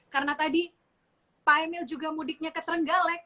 karena tadi pak emil juga mudiknya ke prenggale